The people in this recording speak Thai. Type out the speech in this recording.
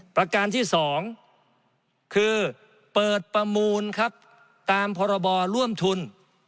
ประการที่๒คือเปิดประมูลครับตามพรบร่วมทุน